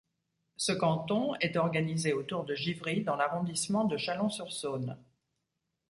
Ce canton est organisé autour de Givry dans l'arrondissement de Chalon-sur-Saône.